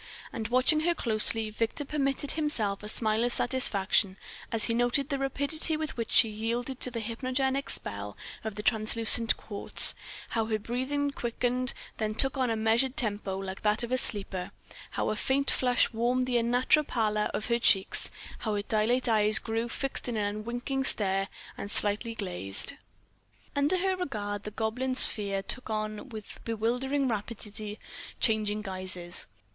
And watching her closely, Victor permitted himself a smile of satisfaction as he noted the rapidity with which she yielded to the hypnogenic spell of the translucent quartz; how her breathing quickened, then took on a measured tempo like that of a sleeper; how a faint flush warmed the unnatural pallor of her cheeks, how her dilate eyes grew fixed in an unwinking stare, and slightly glassed.... Under her regard the goblin sphere took on with bewildering rapidity changing guises.